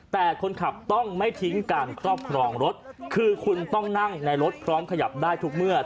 แต่คนขับต้องไม่ทิ้งการครอบครองรถคือคุณต้องนั่งในรถพร้อมขยับได้ทุกเมื่อ